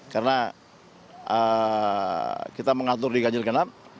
karena kita mengatur di kajil kenap